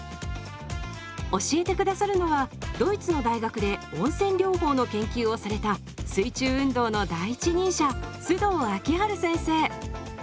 教えて下さるのはドイツの大学で温泉療法の研究をされた水中運動の第一人者須藤明治先生。